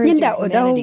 nhân đạo ở đâu